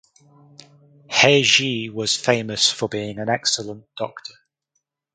He Zhi was famous for being an excellent doctor.